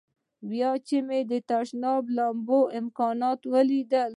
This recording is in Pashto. بیا مو چې د تشناب او لمبو امکانات ولیدل.